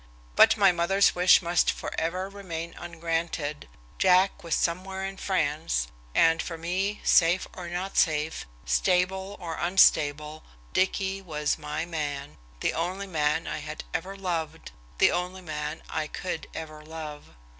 But my mother's wish must forever remain ungranted. Jack was "somewhere in France," and for me, safe or not safe, stable or unstable, Dicky was "my man," the only man I had ever loved, the only man I could ever love.